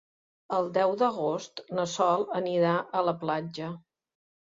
El deu d'agost na Sol anirà a la platja.